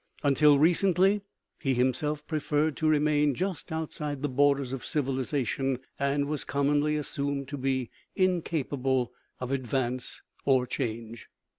Until recently he himself preferred to remain just outside the borders of civilization, and was commonly assumed to be incapable of advance or change.